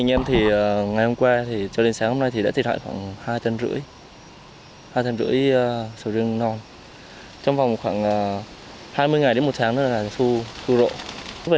những ngày đến một tháng nữa là thu rộ